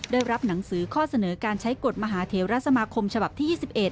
ได้รับหนังสือข้อเสนอการใช้กฎมหาเทวรัฐสมาคมฉบับที่๒๑